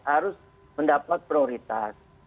harus mendapat prioritas